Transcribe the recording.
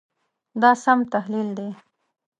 دا سم تحلیل دی.